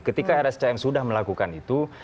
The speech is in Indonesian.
ketika rscm sudah melakukan itu